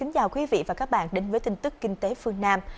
kính thưa quý vị và các bạn đến với tin tức kinh tế phương nam